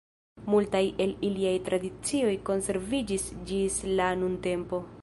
Multaj el iliaj tradicioj konserviĝis ĝis la nuntempo.